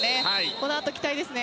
このあと期待ですね。